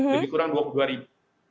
lebih kurang dua puluh dua ribu